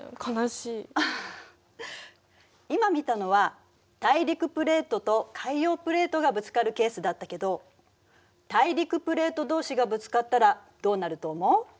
今見たのは大陸プレートと海洋プレートがぶつかるケースだったけど大陸プレートどうしがぶつかったらどうなると思う？